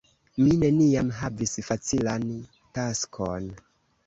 Mi neniam havis facilan taskon.